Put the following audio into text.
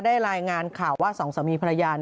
รายงานข่าวว่าสองสามีภรรยา